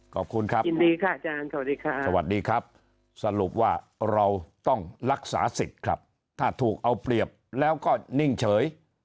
ขอบคุณครับสวัสดีครับสรุปว่าเราต้องรักษาสิทธิ์ครับถ้าถูกเอาเปรียบแล้วก็นิ่งเฉย